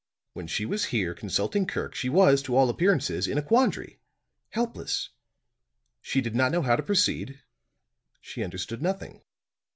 When she was here, consulting Kirk, she was, to all appearances, in a quandary helpless. She did not know how to proceed; she understood nothing.